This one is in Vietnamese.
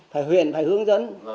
phải huyện phải hướng dẫn